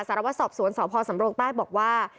สารวัตรศอบสวนสพสำโลกป้ายบอกว่า